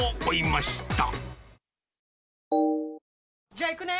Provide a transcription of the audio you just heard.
じゃあ行くね！